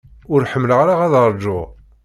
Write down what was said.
Ur ḥemmleɣ ara ad rǧuɣ.